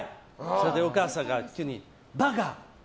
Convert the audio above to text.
それでお母さんが急に馬鹿！